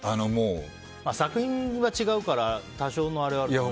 作品は違うから多少のあれはあるけど。